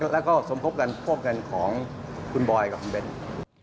และก็สมพบกันพวกเงินของคุณบอยด์กับคุณเบนส์